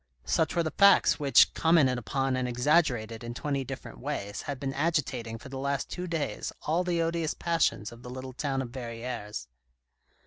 Such were the facts which, commented upon and exaggerated in twenty different ways, had been agitating for the last two days all the odious passions of the little town of Verrieres.